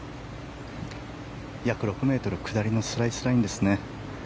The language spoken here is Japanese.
約６ｍ下りのスライスラインですね。